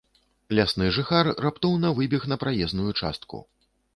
Лясны жыхар раптоўна выбег на праезную частку.